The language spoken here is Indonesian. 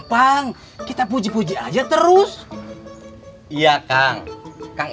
waktu memang enam tahun